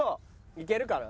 いけるかな？